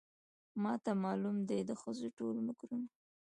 ماته معلومه دي د ښځو ټول مکرونه